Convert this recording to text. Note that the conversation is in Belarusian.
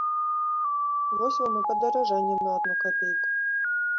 Вось вам і падаражанне на адну капейку!